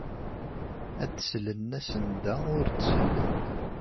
Ad d-slen asenda ur d-sellen.